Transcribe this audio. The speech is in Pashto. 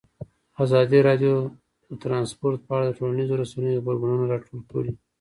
ازادي راډیو د ترانسپورټ په اړه د ټولنیزو رسنیو غبرګونونه راټول کړي.